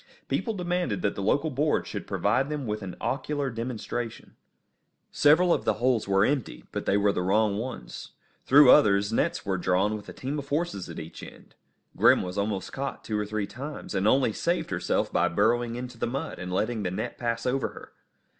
People demanded that the local board should provide them with an ocular demonstration. Several of the holes were emptied, but they were the wrong ones. Through others nets were drawn with a team of horses at each end. Grim was almost caught two or three times, and only saved herself by burrowing into the mud, and letting the net pass over her.